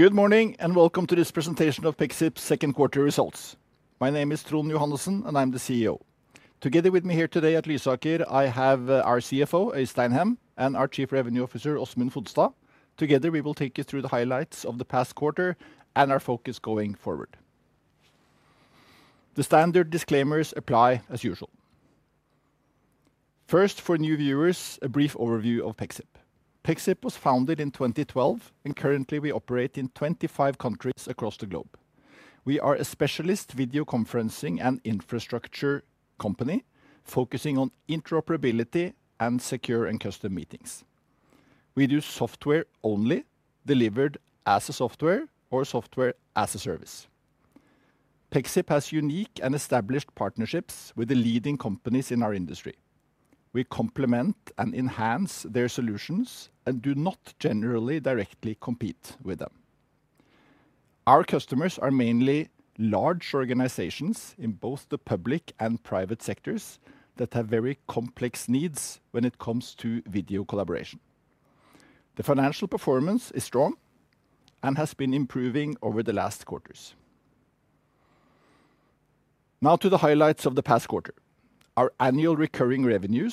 Good morning and welcome to this presentation of Pexip's Second Quarter Results. My name is Trond Johannessen, and I'm the CEO. Together with me here today at Lysaker, I have our CFO, Øystein Hem, and our Chief Revenue Officer, Åsmund Fodstad. Together, we will take you through the highlights of the past quarter and our focus going forward. The standard disclaimers apply as usual. First, for new viewers, a brief overview of Pexip. Pexip was founded in 2012, and currently we operate in 25 countries across the globe. We are a specialist video conferencing and infrastructure company focusing on interoperability and secure and custom meetings. We do software only, delivered as a software, or software as a service. Pexip has unique and established partnerships with the leading companies in our industry. We complement and enhance their solutions and do not generally directly compete with them. Our customers are mainly large organizations in both the public and private sectors that have very complex needs when it comes to video collaboration. The financial performance is strong and has been improving over the last quarters. Now to the highlights of the past quarter. Our annual recurring revenue,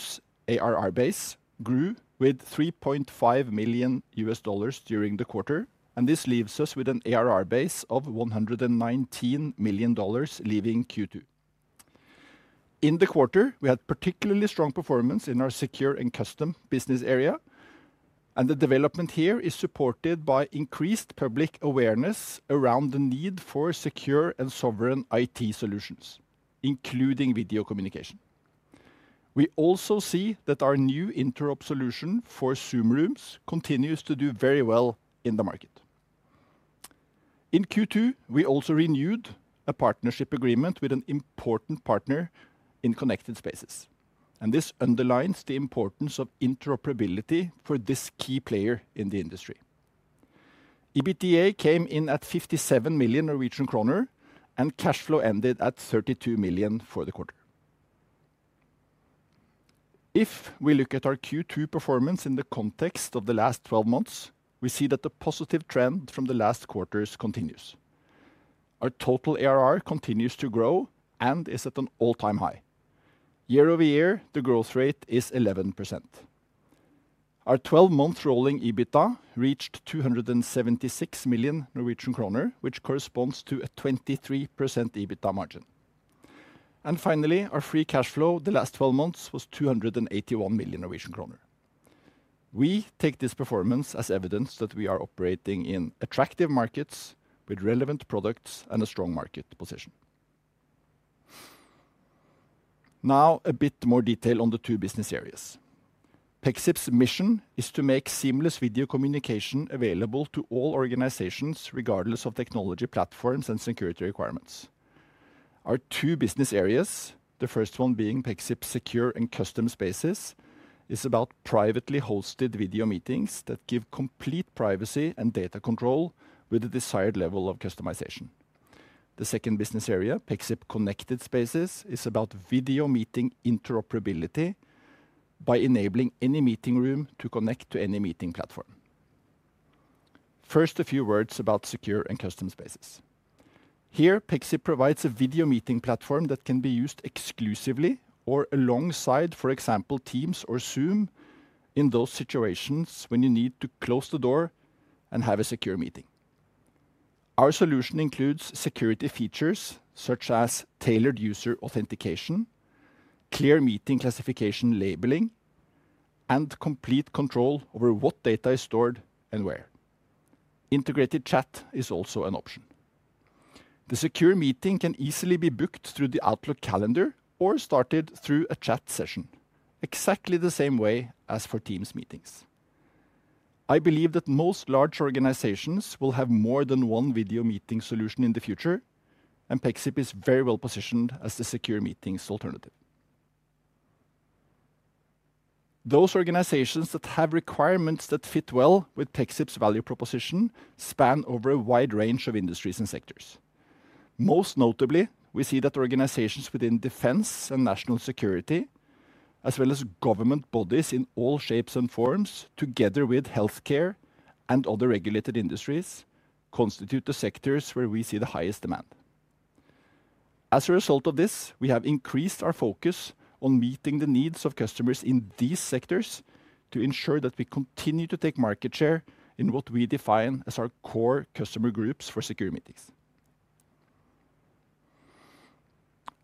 ARR base, grew with $3.5 million during the quarter, and this leaves us with an ARR base of $119 million leaving Q2. In the quarter, we had particularly strong performance in our Secure and Custom business area, and the development here is supported by increased public awareness around the need for secure and sovereign IT solutions, including video communication. We also see that our new interop solution for Zoom Rooms continues to do very well in the market. In Q2, we also renewed a partnership agreement with an important partner in Connected Spaces, and this underlines the importance of interoperability for this key player in the industry. EBITDA came in at 57 million Norwegian kroner, and cash flow ended at 32 million for the quarter. If we look at our Q2 performance in the context of the last 12 months, we see that the positive trend from the last quarters continues. Our total ARR continues to grow and is at an all-time high. Year-over-year, the growth rate is 11%. Our 12 months rolling EBITDA reached 276 million Norwegian kroner, which corresponds to a 23% EBITDA margin. Finally, our free cash flow the last 12 months was 281 million Norwegian kroner. We take this performance as evidence that we are operating in attractive markets with relevant products and a strong market position. Now, a bit more detail on the two business areas. Pexip's mission is to make seamless video communication available to all organizations, regardless of technology platforms and security requirements. Our two business areas, the first one being Pexip's Secure and Custom Spaces, is about privately hosted video meetings that give complete privacy and data control with the desired level of customization. The second business area, Pexip's Connected Spaces, is about video meeting interoperability by enabling any meeting room to connect to any meeting platform. First, a few words about Secure and Custom Spaces. Here, Pexip provides a video meeting platform that can be used exclusively or alongside, for example, Teams or Zoom in those situations when you need to close the door and have a secure meeting. Our solution includes security features such as tailored user authentication, clear meeting classification labeling, and complete control over what data is stored and where. Integrated chat is also an option. The secure meeting can easily be booked through the Outlook calendar or started through a chat session, exactly the same way as for Teams meetings. I believe that most large organizations will have more than one video meeting solution in the future, and Pexip is very well positioned as the Secure Meetings alternative. Those organizations that have requirements that fit well with Pexip's value proposition span over a wide range of industries and sectors. Most notably, we see that organizations within defense and national security, as well as government bodies in all shapes and forms, together with healthcare and other regulated industries, constitute the sectors where we see the highest demand. As a result of this, we have increased our focus on meeting the needs of customers in these sectors to ensure that we continue to take market share in what we define as our core customer groups for Secure Meetings.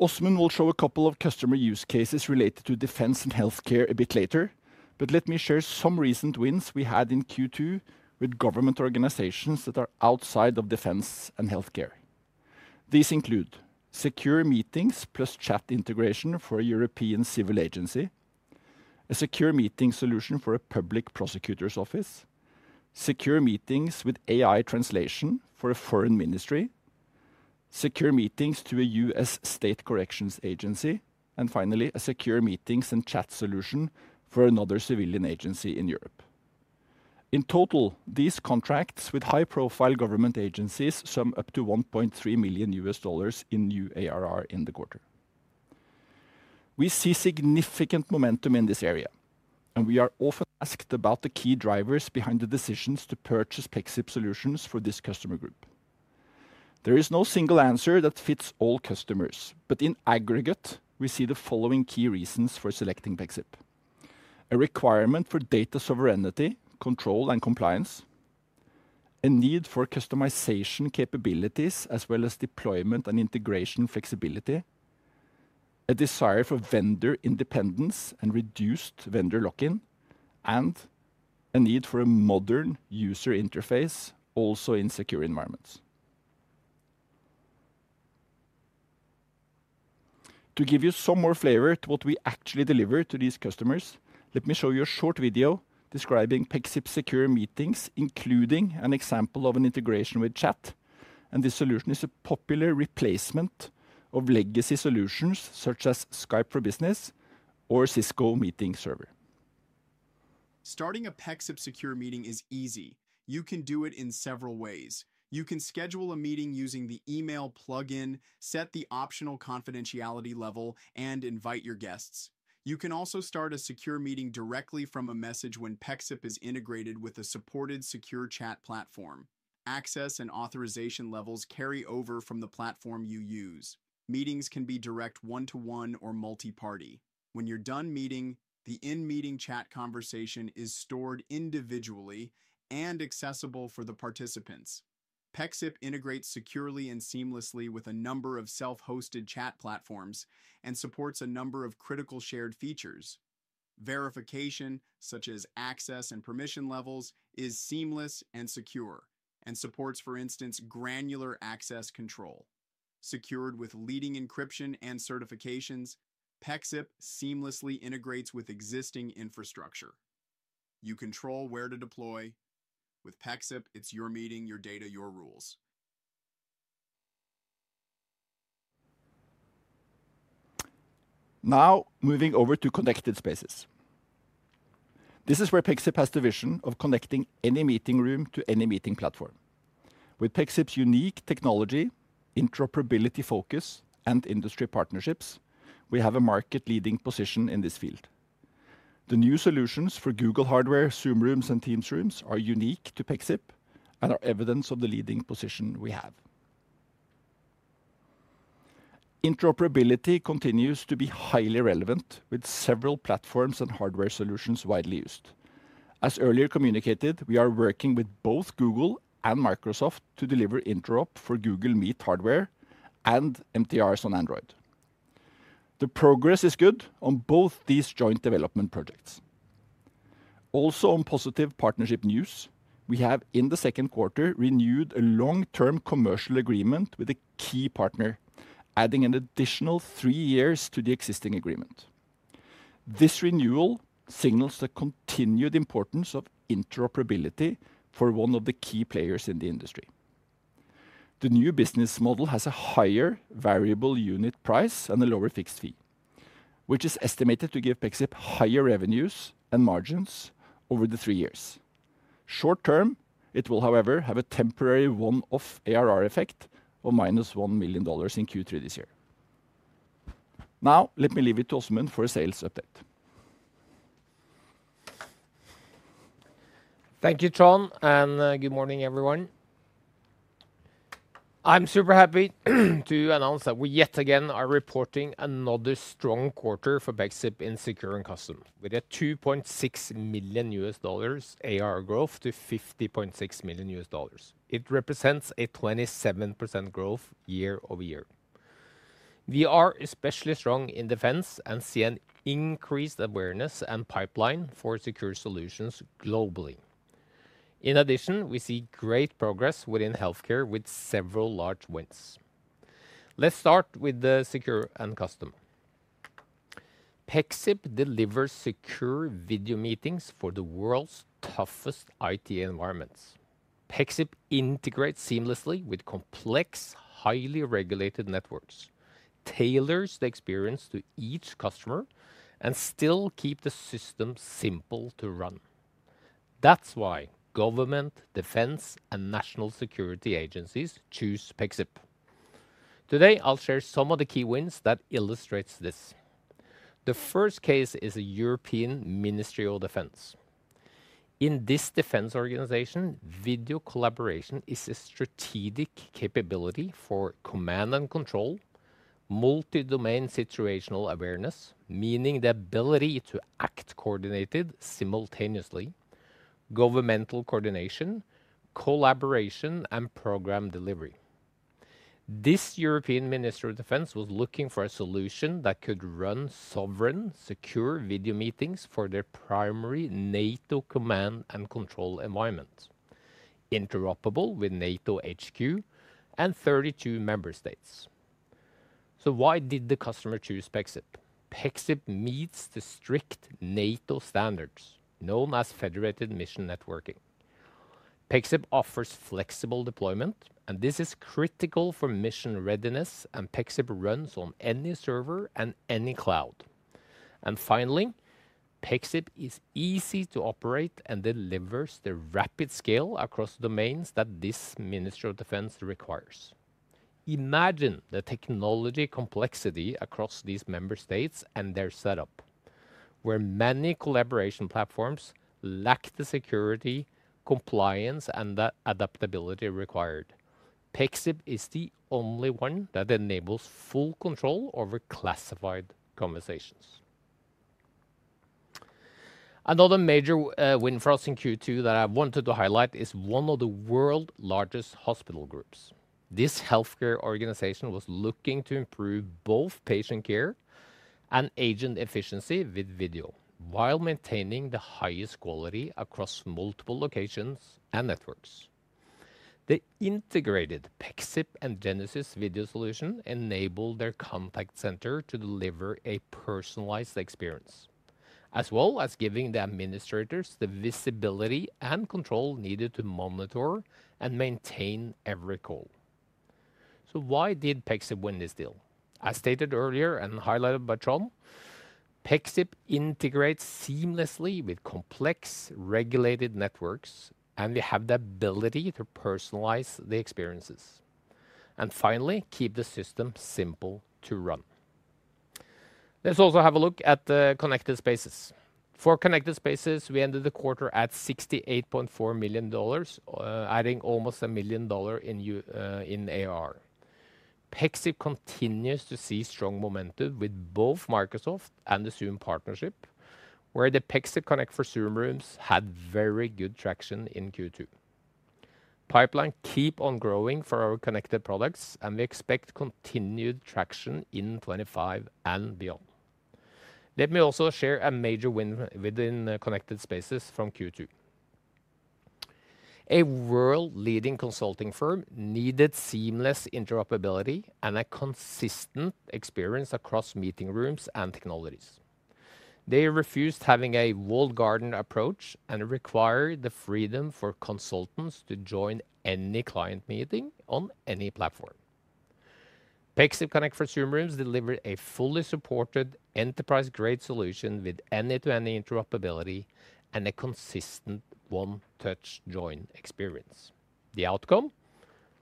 Åsmund will show a couple of customer use cases related to defense and healthcare a bit later, but let me share some recent wins we had in Q2 with government organizations that are outside of defense and healthcare. These include Secure Meetings plus chat integration for a European civil agency, a Secure Meeting solution for a public prosecutor's office, Secure Meetings with AI translation for a foreign ministry, Secure Meetings to a U.S. state corrections agency, and finally, a Secure Meetings and chat solution for another civilian agency in Europe. In total, these contracts with high-profile government agencies sum up to $1.3 million in new ARR in the quarter. We see significant momentum in this area, and we are often asked about the key drivers behind the decisions to purchase Pexip solutions for this customer group. There is no single answer that fits all customers, but in aggregate, we see the following key reasons for selecting Pexip: a requirement for data sovereignty, control, and compliance, a need for customization capabilities, as well as deployment and integration flexibility, a desire for vendor independence and reduced vendor lock-in, and a need for a modern user interface, also in secure environments. To give you some more flavor to what we actually deliver to these customers, let me show you a short video describing Pexip's Secure Meetings, including an example of an integration with chat, and this solution is a popular replacement of legacy solutions such as Skype for Business or Cisco Meeting Server. Starting a Pexip Secure Meeting is easy. You can do it in several ways. You can schedule a meeting using the email plugin, set the optional confidentiality level, and invite your guests. You can also start a Secure Meeting directly from a message when Pexip is integrated with a supported secure chat platform. Access and authorization levels carry over from the platform you use. Meetings can be direct one-to-one or multi-party. When you're done meeting, the in-meeting chat conversation is stored individually and accessible for the participants. Pexip integrates securely and seamlessly with a number of self-hosted chat platforms and supports a number of critical shared features. Verification, such as access and permission levels, is seamless and secure and supports, for instance, granular access control. Secured with leading encryption and certifications, Pexip seamlessly integrates with existing infrastructure. You control where to deploy. With Pexip, it's your meeting, your data, your rules. Now, moving over to Connected Spaces. This is where Pexip has the vision of connecting any meeting room to any meeting platform. With Pexip's unique technology, interoperability focus, and industry partnerships, we have a market-leading position in this field. The new solutions for Google Meet hardware, Zoom Rooms, and Teams Rooms for Android are unique to Pexip and are evidence of the leading position we have. Interoperability continues to be highly relevant with several platforms and hardware solutions widely used. As earlier communicated, we are working with both Google and Microsoft to deliver interop for Google Meet hardware and Microsoft Teams Rooms for Android. The progress is good on both these joint development projects. Also on positive partnership news, we have, in the second quarter, renewed a long-term commercial agreement with a key partner, adding an additional three years to the existing agreement. This renewal signals the continued importance of interoperability for one of the key players in the industry. The new business model has a higher variable unit price and a lower fixed fee, which is estimated to give Pexip higher revenues and margins over the three years. Short-term, it will, however, have a temporary one-off ARR effect of -$1 million in Q3 this year. Now, let me leave it to Åsmund for a sales update. Thank you, Trond, and good morning, everyone. I'm super happy to announce that we, yet again, are reporting another strong quarter for Pexip in Secure and Custom with a $2.6 million ARR growth to $50.6 million. It represents a 27% growth year-over-year. We are especially strong in defense and see an increased awareness and pipeline for secure solutions globally. In addition, we see great progress within healthcare with several large wins. Let's start with the Secure and Custom. Pexip delivers secure video meetings for the world's toughest IT environments. Pexip integrates seamlessly with complex, highly regulated networks, tailors the experience to each customer, and still keeps the system simple to run. That's why government, defense, and national security agencies choose Pexip. Today, I'll share some of the key wins that illustrate this. The first case is the European Ministry of Defense. In this defense organization, video collaboration is a strategic capability for command and control, multi-domain situational awareness, meaning the ability to act coordinated simultaneously, governmental coordination, collaboration, and program delivery. This European Ministry of Defense was looking for a solution that could run sovereign, secure video meetings for their primary NATO command and control environment, interoperable with NATO HQ and 32 member states. The customer chose Pexip because Pexip meets the strict NATO standards, known as federated mission networking. Pexip offers flexible deployment, and this is critical for mission readiness, and Pexip runs on any server and any cloud. Finally, Pexip is easy to operate and delivers the rapid scale across the domains that this Ministry of Defense requires. Imagine the technology complexity across these member states and their setup, where many collaboration platforms lack the security, compliance, and the adaptability required. Pexip is the only one that enables full control over classified conversations. Another major win for us in Q2 that I wanted to highlight is one of the world's largest hospital groups. This healthcare organization was looking to improve both patient care and agent efficiency with video while maintaining the highest quality across multiple locations and networks. The integrated Pexip and Genesys video solution enabled their contact center to deliver a personalized experience, as well as giving the administrators the visibility and control needed to monitor and maintain every call. Why did Pexip win this deal? As stated earlier and highlighted by Trond, Pexip integrates seamlessly with complex regulated networks, and we have the ability to personalize the experiences, and finally, keep the system simple to run. Let's also have a look at the Connected Spaces. For Connected Spaces, we ended the quarter at $68.4 million, adding almost $1 million in ARR. Pexip continues to see strong momentum with both Microsoft and the Zoom partnership, where the Pexip Connect for Zoom Rooms had very good traction in Q2. Pipeline keeps on growing for our Connected products, and we expect continued traction in 2025 and beyond. Let me also share a major win within Connected Spaces from Q2. A world-leading consulting firm needed seamless interoperability and a consistent experience across meeting rooms and technologies. They refused having a walled garden approach and required the freedom for consultants to join any client meeting on any platform. Pexip Connect for Zoom Rooms delivered a fully supported enterprise-grade solution with end-to-end interoperability and a consistent one-touch join experience. The outcome?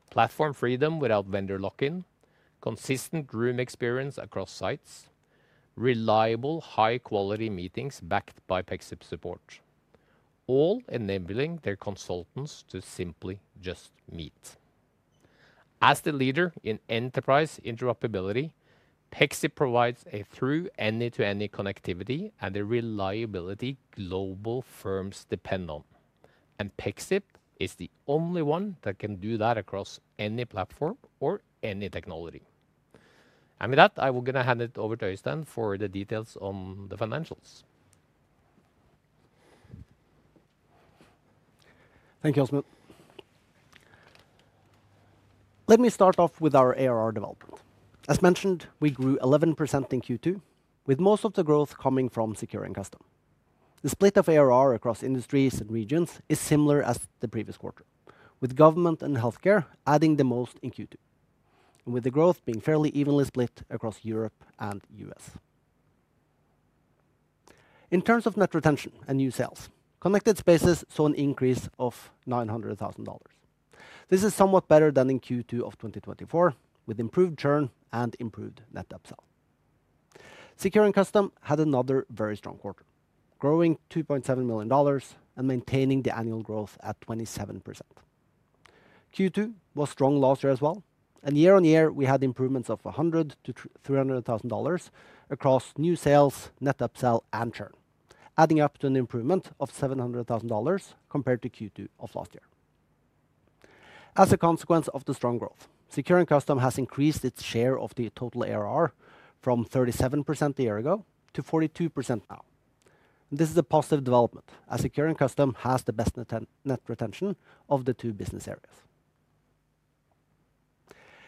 Platform freedom without vendor lock-in, consistent room experience across sites, reliable, high-quality meetings backed by Pexip support, all enabling their consultants to simply just meet. As the leader in enterprise interoperability, Pexip provides a true end-to-end connectivity and a reliability global firms depend on, and Pexip is the only one that can do that across any platform or any technology. With that, I'm going to hand it over to Øystein for the details on the financials. Thank you, Åsmund. Let me start off with our ARR development. As mentioned, we grew 11% in Q2, with most of the growth coming from Secure and Custom. The split of ARR across industries and regions is similar as the previous quarter, with government and healthcare adding the most in Q2, with the growth being fairly evenly split across Europe and the U.S. In terms of net retention and new sales, Connected Spaces saw an increase of $900,000. This is somewhat better than in Q2 of 2024, with improved churn and improved net new sale. Secure and Custom had another very strong quarter, growing $2.7 million and maintaining the annual growth at 27%. Q2 was strong last year as well, and year-on-year, we had improvements of $100,000-$300,000 across new sales, net new sale, and churn, adding up to an improvement of $700,000 compared to Q2 of last year. As a consequence of the strong growth, Secure and Custom has increased its share of the total ARR from 37% a year ago to 42% now. This is a positive development, as Secure and Custom has the best net retention of the two business areas.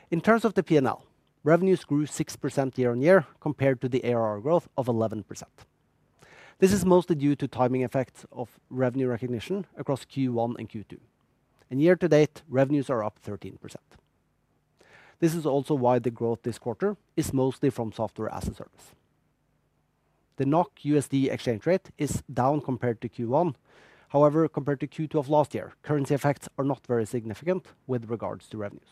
In terms of the P&L, revenues grew 6% year-on-year compared to the ARR growth of 11%. This is mostly due to timing effects of revenue recognition across Q1 and Q2, and year-to-date, revenues are up 13%. This is also why the growth this quarter is mostly from software as a service. The NOK/USD exchange rate is down compared to Q1. However, compared to Q2 of last year, currency effects are not very significant with regards to revenues.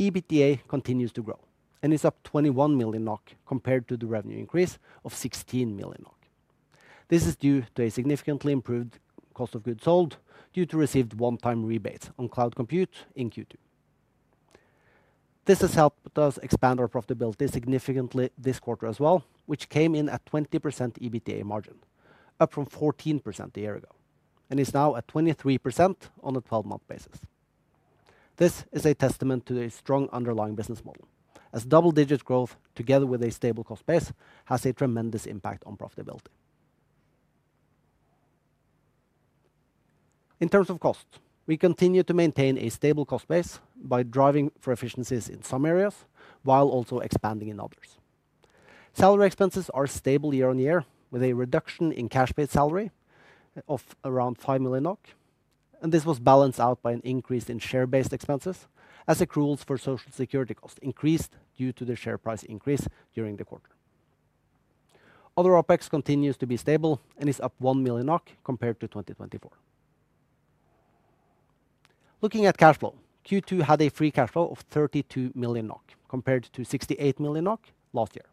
EBITDA continues to grow and is up 21 million NOK compared to the revenue increase of 16 million NOK. This is due to a significantly improved cost of goods sold due to received one-time rebates on cloud compute in Q2. This has helped us expand our profitability significantly this quarter as well, which came in at 20% EBITDA margin, up from 14% a year ago, and is now at 23% on a 12-month basis. This is a testament to a strong underlying business model, as double-digit growth together with a stable cost base has a tremendous impact on profitability. In terms of cost, we continue to maintain a stable cost base by driving for efficiencies in some areas while also expanding in others. Salary expenses are stable year-on-year with a reduction in cash-based salary of around 5 million NOK, and this was balanced out by an increase in share-based expenses as accruals for social security costs increased due to the share price increase during the quarter. Other OpEx continues to be stable and is up 1 million NOK compared to 2024. Looking at cash flow, Q2 had a free cash flow of 32 million NOK compared to 68 million NOK last year.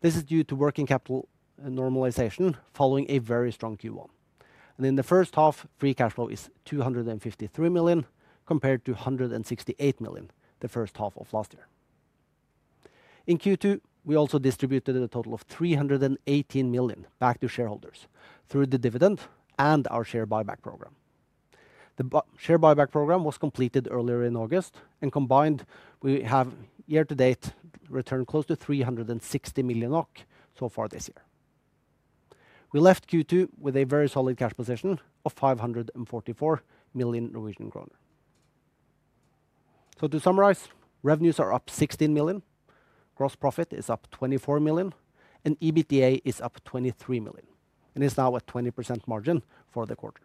This is due to working capital normalization following a very strong Q1, and in the first half, free cash flow is 253 million compared to 168 million the first half of last year. In Q2, we also distributed a total of 318 million back to shareholders through the dividend and our share buyback program. The share buyback program was completed earlier in August, and combined, we have year to date returned close to 360 million so far this year. We left Q2 with a very solid cash position of 544 million Norwegian krone. To summarize, revenues are up 16 million, gross profit is up 24 million, and EBITDA is up 23 million, and is now at 20% margin for the quarter.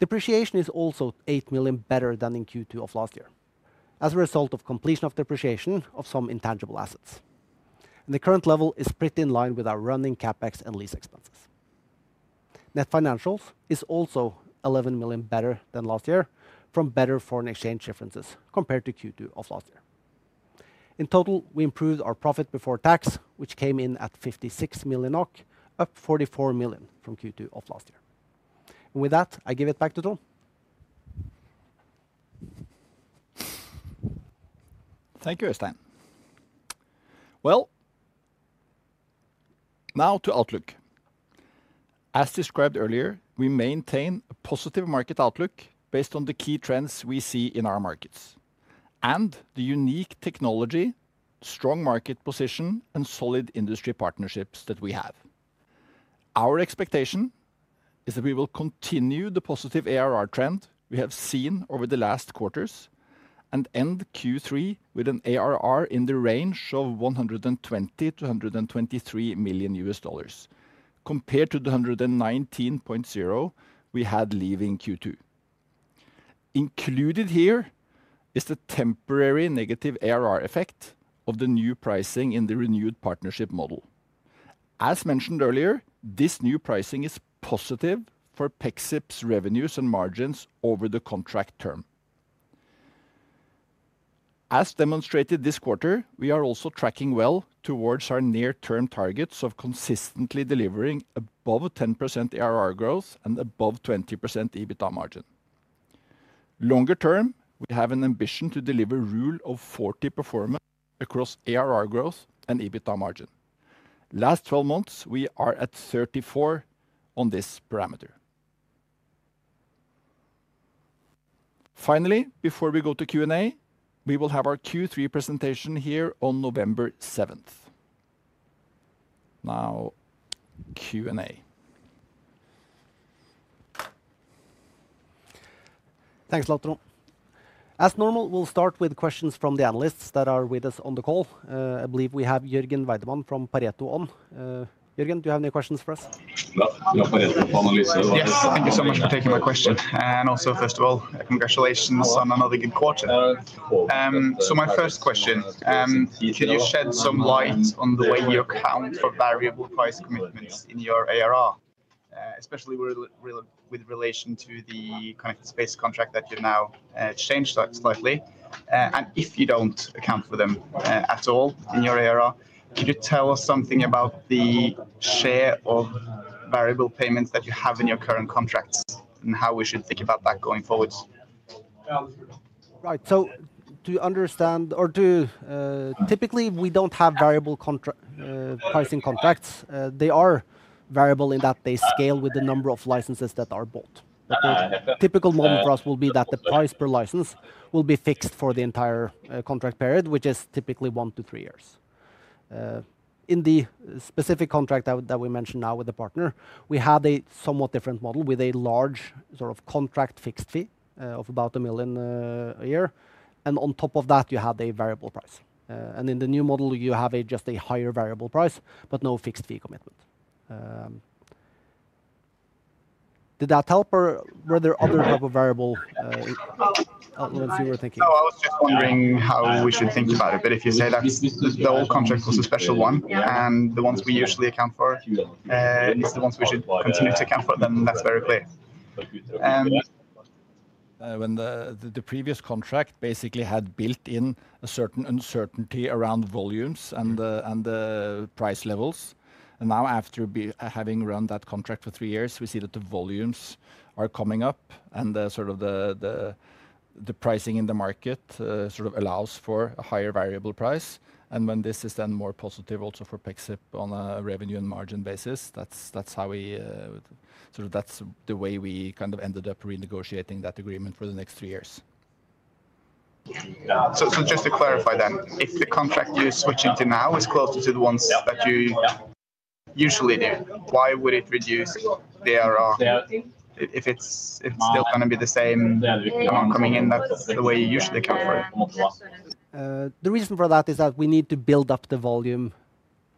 Depreciation is also 8 million better than in Q2 of last year as a result of completion of depreciation of some intangible assets, and the current level is pretty in line with our running CapEx and lease expenses. Net financials is also 11 million better than last year from better foreign exchange differences compared to Q2 of last year. In total, we improved our profit before tax, which came in at 56 million NOK, up 44 million from Q2 of last year. I give it back to Trond. Thank you, Øystein. Now to outlook. As described earlier, we maintain a positive market outlook based on the key trends we see in our markets and the unique technology, strong market position, and solid industry partnerships that we have. Our expectation is that we will continue the positive ARR trend we have seen over the last quarters and end Q3 with an ARR in the range of $120 million-$123 million compared to the $119.0 million we had leaving Q2. Included here is the temporary negative ARR effect of the new pricing in the renewed partnership model. As mentioned earlier, this new pricing is positive for Pexip's revenues and margins over the contract term. As demonstrated this quarter, we are also tracking well towards our near-term targets of consistently delivering above a 10% ARR growth and above 20% EBITDA margin. Longer term, we have an ambition to deliver a rule of 40 performance across ARR growth and EBITDA margin. Last 12 months, we are at 34 on this parameter. Finally, before we go to Q&A, we will have our Q3 presentation here on November 7th. Now, Q&A. Thanks a lot, Trond. As normal, we'll start with questions from the analysts that are with us on the call. I believe we have Jørgen Weidemann from Pareto on. Jørgen, do you have any questions for us? Thank you so much for taking my question. First of all, congratulations on another good quarter. My first question, can you shed some light on the way you account for variable price commitments in your ARR, especially with relation to the Connected Spaces contract that you've now changed slightly? If you don't account for them at all in your ARR, could you tell us something about the share of variable payments that you have in your current contracts and how we should think about that going forward? Right, to understand, typically, we don't have variable pricing contracts. They are variable in that they scale with the number of licenses that are bought. The typical model for us will be that the price per license will be fixed for the entire contract period, which is typically 1-3 years. In the specific contract that we mentioned now with the partner, we had a somewhat different model with a large contract fixed fee of about 1 million a year. On top of that, you had a variable price. In the new model, you have just a higher variable price but no fixed fee commitment. Did that help, or were there other types of variable elements you were thinking? I was just wondering how we should simplify it. If you say that the old contract was a special one and the ones we usually account for, these are the ones we should continue to account for, then that's very clear. When the previous contract basically had built in a certain uncertainty around volumes and the price levels, now after having run that contract for three years, we see that the volumes are coming up and the pricing in the market allows for a higher variable price. This is more positive also for Pexip on a revenue and margin basis. That's the way we ended up renegotiating that agreement for the next three years. Just to clarify then, if the contract you're switching to now is closer to the ones that you usually do, why would it reduce the ARR if it's still going to be the same amount coming in the way you usually account for it? The reason for that is that we need to build up the volume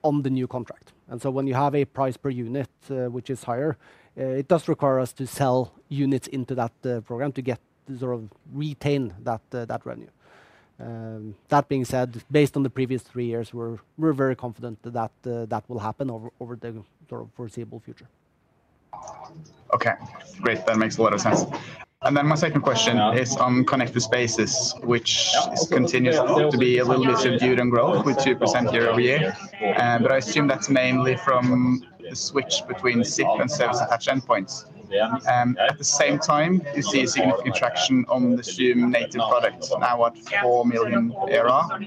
on the new contract. When you have a price per unit which is higher, it does require us to sell units into that program to get to sort of retain that revenue. That being said, based on the previous three years, we're very confident that that will happen over the sort of foreseeable future. Okay, great. That makes a lot of sense. My second question is on Connected Spaces, which continues to be a little bit of viewed on growth with 2% year-over-year. I assume that's mainly from a switch between SIP and service-attached endpoints. At the same time, you see significant traction on the Zoom native product, now at $4 million ARR.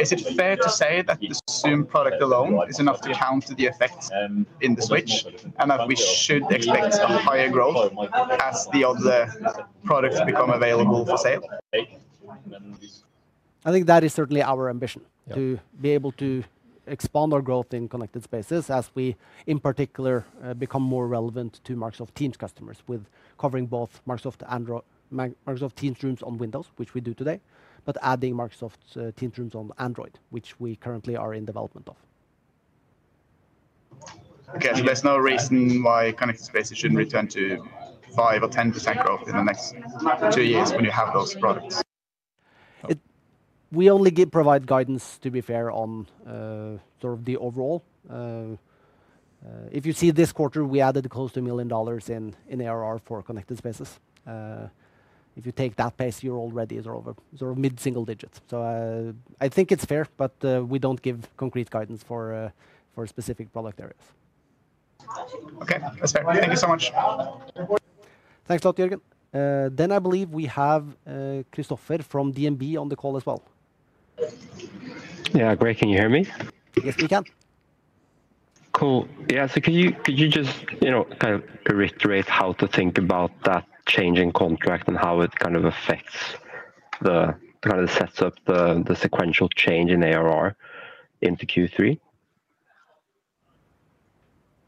Is it fair to say that the Zoom product alone is enough to account for the effect in the switch and that we should expect a higher growth as the other products become available for sale? I think that is certainly our ambition to be able to expand our growth in Connected Spaces as we, in particular, become more relevant to Microsoft Teams customers with covering both Microsoft Teams Rooms on Windows, which we do today, but adding Microsoft Teams Rooms for Android, which we currently are in development of. There is no reason why Connected Spaces shouldn't return to 5% or 10% growth in the next two years when you have those products. We only provide guidance, to be fair, on sort of the overall. If you see this quarter, we added close to $1 million in ARR for Connected Spaces. If you take that pace, you're already sort of mid-single digits. I think it's fair, but we don't give concrete guidance for specific product areas. Okay, that's fair. Thank you so much. Thanks a lot, Jørgen. I believe we have Christoffer from DNB on the call as well. Yeah, great. Can you hear me? Yes, you can. Yeah, could you just, you know, kind of perpetuate how to think about that changing contract and how it kind of affects the kind of sets up the sequential change in ARR into Q3?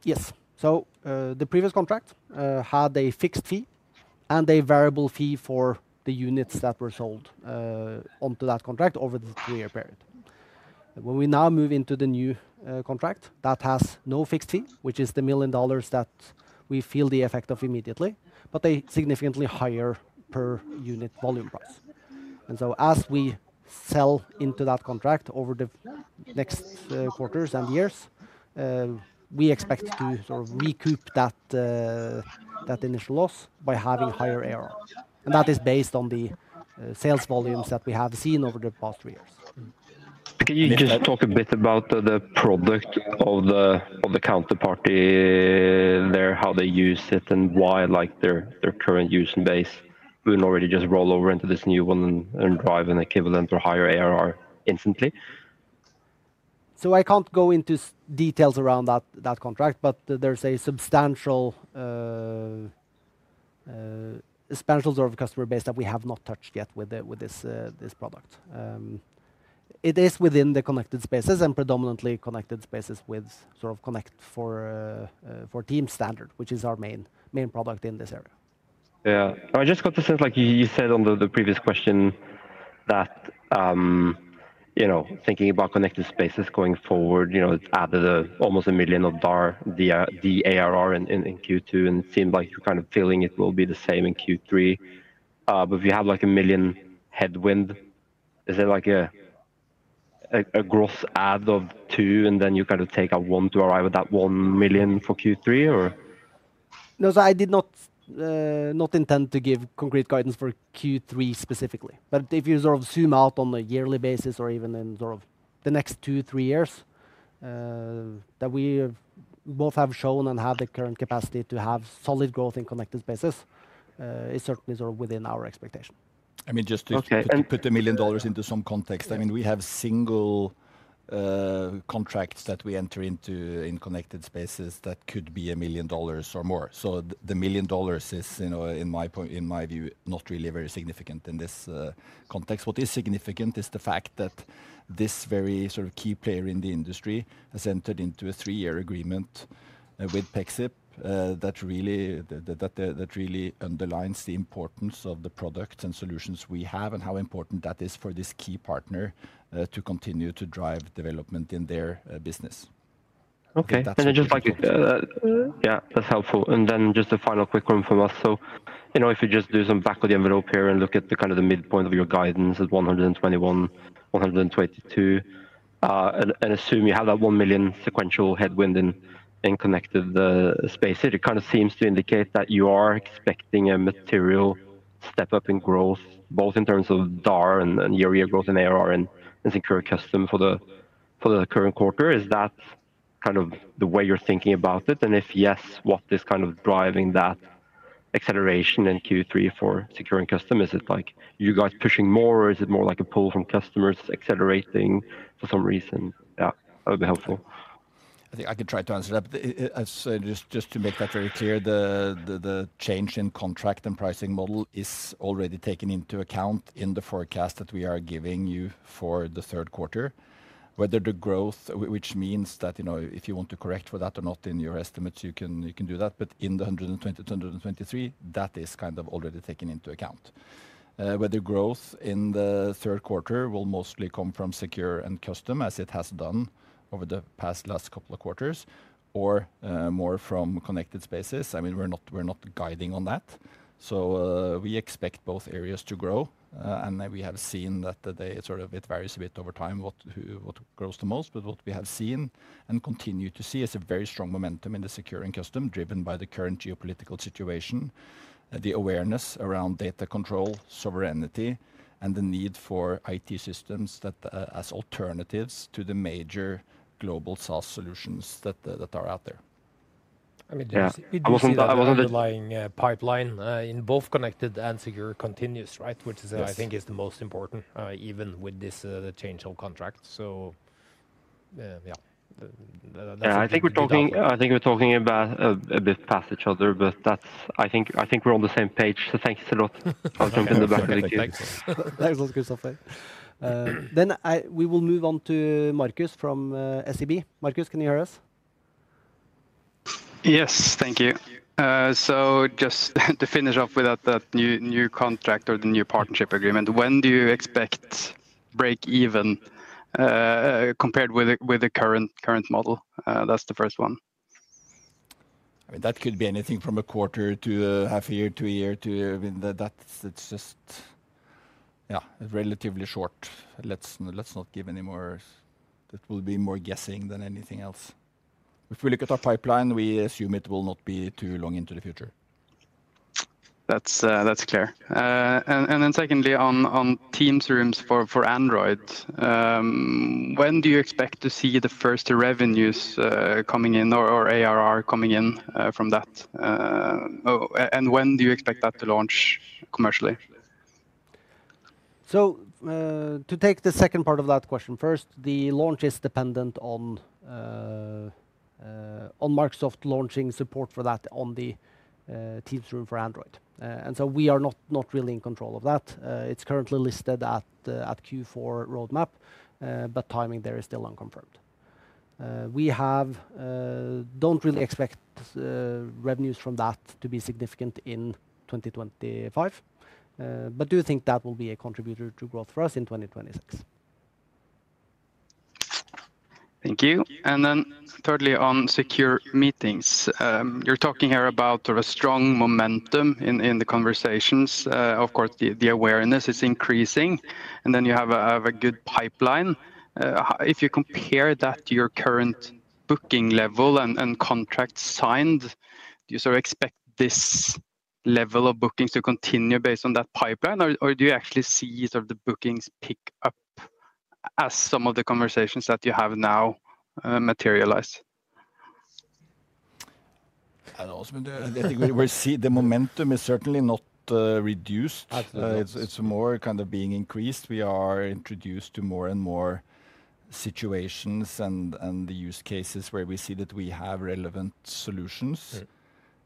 Yes, so the previous contract had a fixed fee and a variable fee for the units that were sold onto that contract over the three-year period. When we now move into the new contract, that has no fixed fee, which is the $1 million that we feel the effect of immediately, but a significantly higher per unit volume price. As we sell into that contract over the next quarters and years, we expect to sort of recoup that initial loss by having higher ARR. That is based on the sales volumes that we have seen over the past three years. Can you just talk a bit about the product of the counterparty there, how they use it, and why, like their current user base, wouldn't already just roll over into this new one and drive an equivalent or higher ARR instantly? I can't go into details around that contract, but there's a substantial sort of customer base that we have not touched yet with this product. It is within the Connected Spaces and predominantly Connected Spaces with sort of Connect for Teams standard, which is our main product in this area. Yeah, I just got the sense like you said on the previous question that, you know, thinking about Connected Spaces going forward, you know, it's added almost 1 million of the ARR in Q2, and it seemed like kind of feeling it will be the same in Q3. If you have like a 1 million headwind, is it like a gross add of two, and then you kind of take a one to arrive at that 1 million for Q3, or? No, I did not intend to give concrete guidance for Q3 specifically. If you sort of zoom out on a yearly basis or even in the next 2-3 years, we both have shown and have the current capacity to have solid growth in Connected Spaces. It's certainly within our expectation. I mean, just to put the $1 million into some context, we have single contracts that we enter into in Connected Spaces that could be $1 million or more. The $1 million is, you know, in my view, not really very significant in this context. What is significant is the fact that this very sort of key player in the industry has entered into a three-year agreement with Pexip that really underlines the importance of the products and solutions we have and how important that is for this key partner to continue to drive development in their business. Okay, and then just like you said, yeah, that's helpful. Just a final quick one from us. If you just do some back of the envelope here and look at the kind of the midpoint of your guidance at 121 million, 122 million, and assume you have that 1 million sequential headwind in Connected Spaces, it kind of seems to indicate that you are expecting a material step up in growth, both in terms of DAR and year-to-year growth in ARR and Secure and Custom for the current quarter. Is that kind of the way you're thinking about it? If yes, what is kind of driving that acceleration in Q3 for Secure and Custom? Is it like you guys pushing more, or is it more like a pull from customers accelerating for some reason? Yeah, that would be helpful. I think I could try to answer that. I've said, just to make that very clear, the change in contract and pricing model is already taken into account in the forecast that we are giving you for the third quarter. Whether the growth, which means that, you know, if you want to correct for that or not in your estimates, you can do that. In the 120 million-123 million, that is kind of already taken into account. Whether growth in the third quarter will mostly come from Secure and Custom Spaces, as it has done over the past last couple of quarters, or more from Connected Spaces, we're not guiding on that. We expect both areas to grow. We have seen that it varies a bit over time what grows the most. What we have seen and continue to see is a very strong momentum in Secure and Custom Spaces, driven by the current geopolitical situation, the awareness around data control, data sovereignty, and the need for IT systems as alternatives to the major global SaaS solutions that are out there. I mean, the underlying pipeline in both Connected and Secure continues, right? Which is, I think, is the most important, even with this change of contract. I think we're talking a bit past each other, but I think we're on the same page. Thank you a lot. I'll jump in the back of the cave. Thanks a lot, Christoffer. We will move on to Markus from SEB. Markus, can you hear us? Yes, thank you. Just to finish off with that new contract or the new partnership agreement, when do you expect break even compared with the current model? That's the first one. That could be anything from a quarter to a half a year to a year. That's just relatively short. Let's not give any more. That will be more guessing than anything else. If we look at our pipeline, we assume it will not be too long into the future. That's clear. On Teams Rooms for Android, when do you expect to see the first revenues coming in or ARR coming in from that? When do you expect that to launch commercially? To take the second part of that question first, the launch is dependent on Microsoft launching support for that on the Teams Rooms for Android. We are not really in control of that. It's currently listed at Q4 roadmap, but timing there is still unconfirmed. We don't really expect revenues from that to be significant in 2025, but do think that will be a contributor to growth for us in 2026. Thank you. Thirdly, on Secure Meetings, you're talking here about a strong momentum in the conversations. Of course, the awareness is increasing, and you have a good pipeline. If you compare that to your current booking level and contracts signed, do you sort of expect this level of bookings to continue based on that pipeline, or do you actually see the bookings pick up as some of the conversations that you have now materialize? I think we see the momentum is certainly not reduced. It's more kind of being increased. We are introduced to more and more situations and the use cases where we see that we have relevant solutions.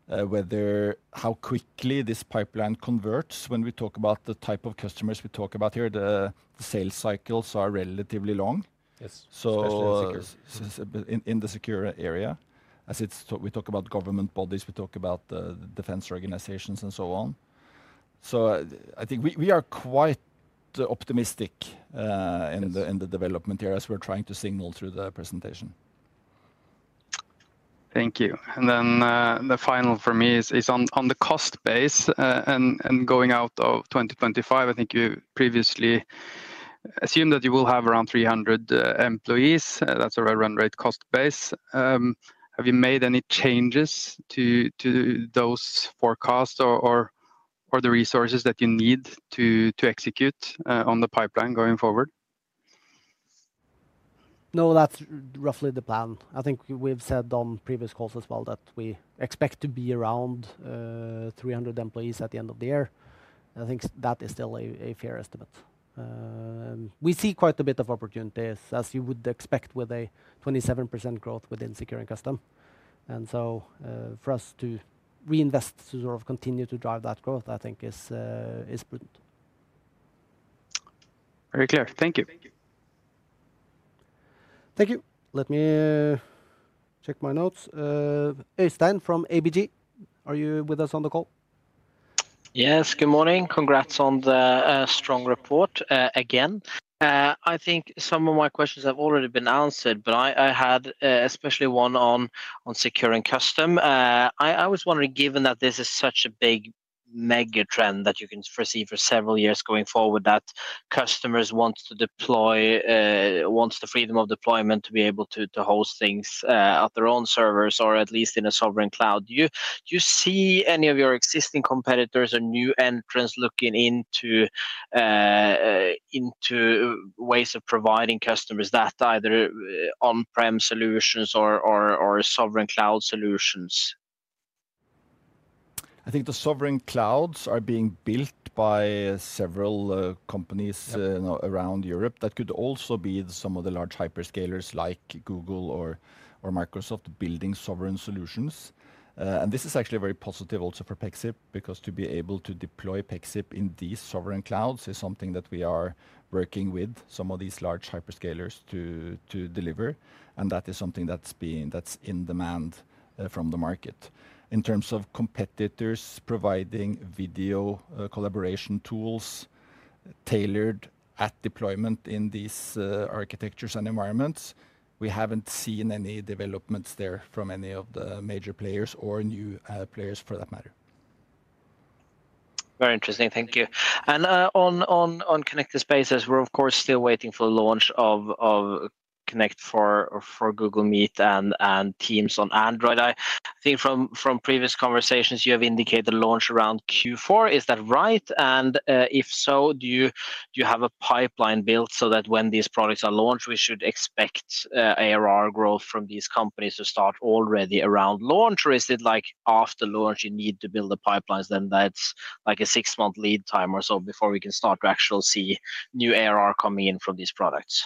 Whether how quickly this pipeline converts when we talk about the type of customers we talk about here, the sales cycles are relatively long. Yes, especially in the Secure. In the secure area, as we talk about government bodies, we talk about defense organizations and so on. I think we are quite optimistic in the development areas we're trying to signal through the presentation. Thank you. The final for me is on the cost base and going out of 2025. I think you previously assumed that you will have around 300 employees. That's a run-rate cost base. Have you made any changes to those forecasts or the resources that you need to execute on the pipeline going forward? No, that's roughly the plan. I think we've said on previous calls as well that we expect to be around 300 employees at the end of the year. I think that is still a fair estimate. We see quite a bit of opportunities, as you would expect, with a 27% growth within Secure and Custom. For us to reinvest to sort of continue to drive that growth, I think is prudent. Very clear. Thank you. Thank you. Let me check my notes. Øystein from ABG, are you with us on the call? Yes, good morning. Congrats on the strong report again. I think some of my questions have already been answered, but I had especially one on Secure and Custom. I was wondering, given that this is such a big mega trend that you can foresee for several years going forward, that customers want to deploy, want the freedom of deployment to be able to host things at their own servers or at least in a sovereign cloud. Do you see any of your existing competitors or new entrants looking into ways of providing customers that either on-prem solutions or sovereign cloud solutions? I think the sovereign clouds are being built by several companies around Europe that could also be some of the large hyperscalers like Google or Microsoft building sovereign solutions. This is actually very positive also for Pexip because to be able to deploy Pexip in these sovereign clouds is something that we are working with some of these large hyperscalers to deliver. That is something that's in demand from the market. In terms of competitors providing video collaboration tools tailored at deployment in these architectures and environments, we haven't seen any developments there from any of the major players or new players for that matter. Very interesting. Thank you. On Connected Spaces, we're of course still waiting for the launch of Pexip Connect for Google Meet and Microsoft Teams Rooms for Android. I think from previous conversations, you have indicated the launch around Q4. Is that right? If so, do you have a pipeline built so that when these products are launched, we should expect ARR growth from these companies to start already around launch? Is it like after launch, you need to build the pipelines? That's like a six-month lead time or so before we can start to actually see new ARR coming in from these products.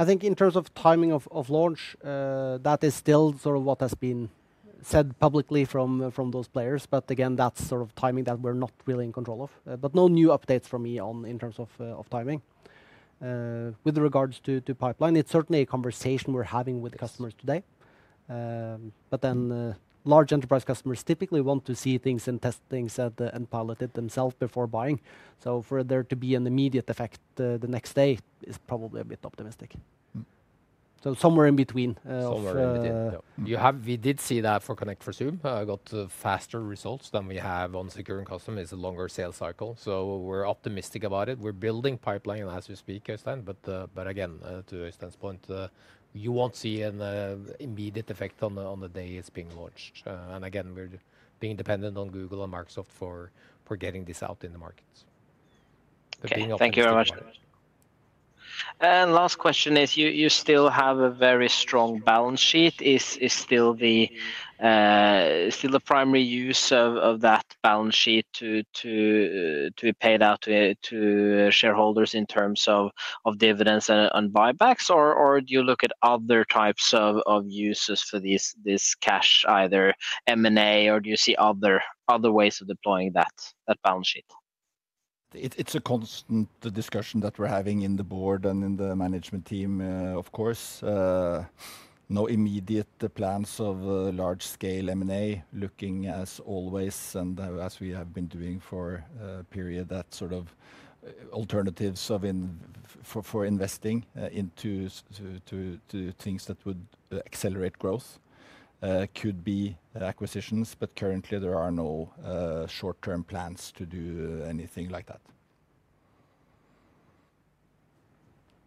I think in terms of timing of launch, that is still sort of what has been said publicly from those players. Again, that's sort of timing that we're not really in control of. No new updates for me in terms of timing. With regards to pipeline, it's certainly a conversation we're having with the customers today. Large enterprise customers typically want to see things and test things and pilot it themselves before buying. For there to be an immediate effect the next day is probably a bit optimistic. Somewhere in between. We did see that for Pexip Connect for Zoom Rooms got faster results than we have on Secure and Custom Spaces. It's a longer sales cycle. We're optimistic about it. We're building pipeline as we speak, Øystein. To Øystein's point, you won't see an immediate effect on the day it's being launched. We're being dependent on Google and Microsoft for getting this out in the markets. Thank you very much. Last question is you still have a very strong balance sheet. Is still the primary use of that balance sheet to be paid out to shareholders in terms of dividends and buybacks? Do you look at other types of uses for this cash, either M&A, or do you see other ways of deploying that balance sheet? It's a constant discussion that we're having in the board and in the management team, of course. No immediate plans of large-scale M&A, looking as always, and as we have been doing for a period, at alternatives for investing into things that would accelerate growth could be acquisitions. Currently, there are no short-term plans to do anything like that.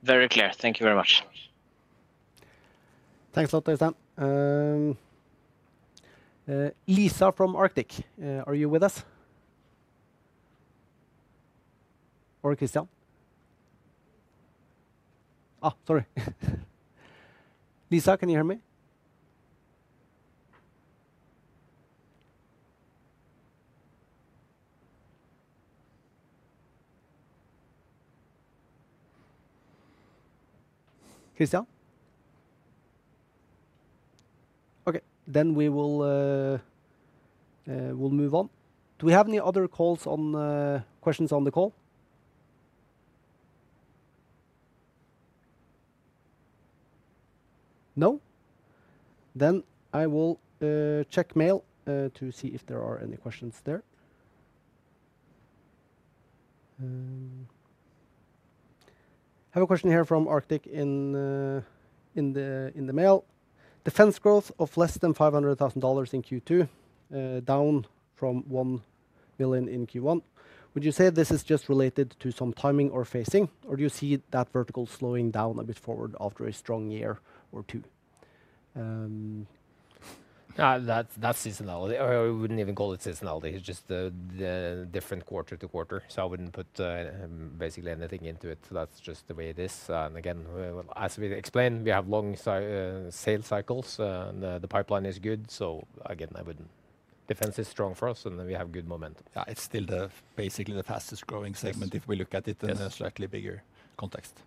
Very clear. Thank you very much. Thanks a lot, Øystein. Lisa from Arctic, are you with us? Or Kristian? Sorry. Lisa, can you hear me? Kristian? Okay, then we will move on. Do we have any other questions on the call? No? I will check mail to see if there are any questions there. I have a question here from Arctic in the mail. Defense growth of less than $500,000 in Q2, down from $1 million in Q1. Would you say this is just related to some timing or phasing, or do you see that vertical slowing down a bit forward after a strong year or two? That's seasonality. I wouldn't even call it seasonality. It's just the different quarter to quarter. I wouldn't put basically anything into it. That's just the way it is. As we explained, we have long sales cycles and the pipeline is good. I wouldn't. Defense is strong for us and we have good momentum. Yeah, it's still basically the fastest growing segment if we look at it in a slightly bigger context. Yeah.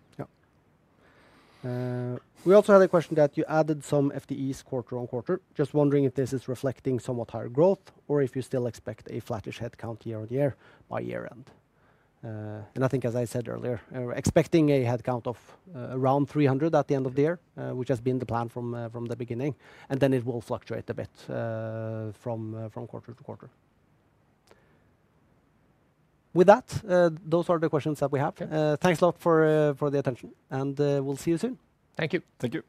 We also had a question that you added some FTEs quarter-on-quarter. Just wondering if this is reflecting somewhat higher growth or if you still expect a flattish headcount year-on-year by year end. I think, as I said earlier, we're expecting a headcount of around 300 at the end of the year, which has been the plan from the beginning. It will fluctuate a bit from quarter to quarter. With that, those are the questions that we have. Thanks a lot for the attention and we'll see you soon. Thank you.